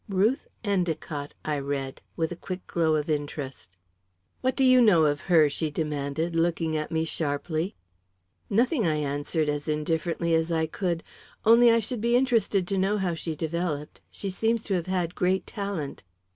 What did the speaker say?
"'Ruth Endicott,'" I read, with a quick glow of interest. "What do you know of her?" she demanded, looking at me sharply. "Nothing," I answered, as indifferently as I could. "Only, I should be interested to know how she developed. She seems to have had great talent."